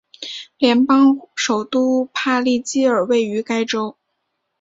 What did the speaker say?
联邦首都帕利基尔位于该州。